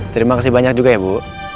terima kasih banyak juga ya bu